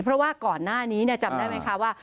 เพราะว่าก่อนหน้านี้จำได้ไหมคะว่า